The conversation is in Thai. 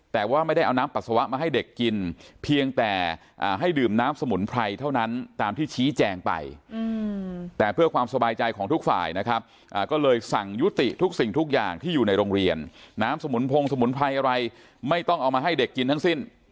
แต่เพื่อความสบายใจของทุกฝ่ายนะครับก็เลยสั่งยุติทุกสิ่งทุกอย่างที่อยู่ในโรงเรียนน้ำสมุนพงสมุนไพรอะไรไม่ต้องเอามาให้เด็กกินทั้งสิ้น